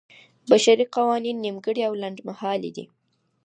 بشري قوانین نیمګړي او لنډمهالي دي.